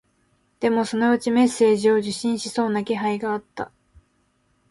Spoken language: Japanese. でも、そのうちメッセージを受信しそうな気配があった